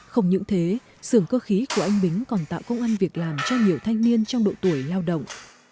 không những thế xưởng cơ khí của anh bính còn tạo công an việc làm cho nhiều thanh niên trong độ tuổi lao động